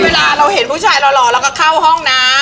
เวลาเราเห็นผู้ชายหล่อเราก็เข้าห้องน้ำ